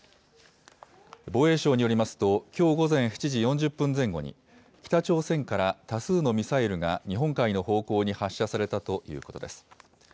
防衛省によりますと、きょう午前７時４０分前後に、北朝鮮から多数のミサイルが日本海の方向に発射されたということです。